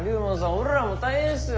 俺らも大変っすよ。